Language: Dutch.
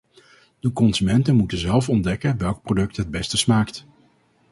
De consumenten moeten zelf ontdekken welk product het beste smaakt!